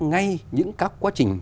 ngay những các quá trình